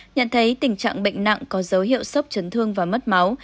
nhận thấy tình trạng bệnh nặng có dấu hiệu sốc chấn thương và mất máu